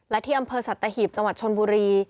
และที่อำเภอสัตหีบจังหวัดชนบุรี